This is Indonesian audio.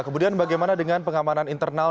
kemudian bagaimana dengan pengamanan internal